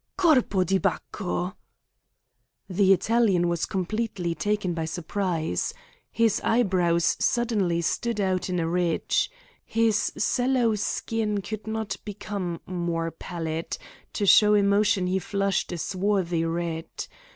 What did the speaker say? "Corpo di Baccho!" The Italian was completely taken by surprise. His eyebrows suddenly stood out in a ridge. His sallow skin could not become more pallid; to show emotion he flushed a swarthy red.